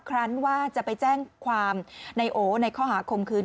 ครั้งว่าจะไปแจ้งความในโอในข้อหาคมคืน